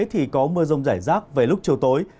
thì có mưa rông rải rác về lúc chiều tối